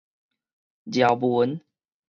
皺紋